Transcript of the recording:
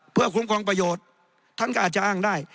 เพื่อคุ้มครองประโยชน์ท่านก็อาจจะอ้างได้